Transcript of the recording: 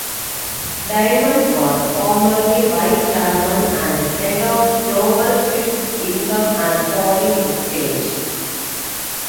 Diamond was formerly Vice Chairman and Head of Global Fixed Income and Foreign Exchange.